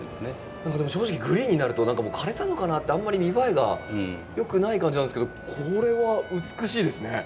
何かでも正直グリーンになるともう枯れたのかなってあんまり見栄えが良くない感じなんですけどこれは美しいですね。